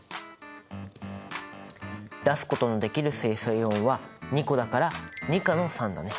出すことのできる水素イオンは２個だから２価の酸だね。